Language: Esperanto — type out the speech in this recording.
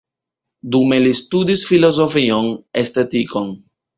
Dume li studis filozofion, estetikon.